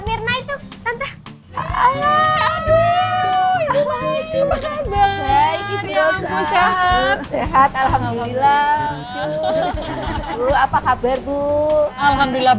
mirna itu tenta ala aduh apa kabar baik hidup sehat alhamdulillah apa kabar bu alhamdulillah